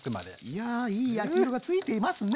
いやいい焼き色が付いていますね！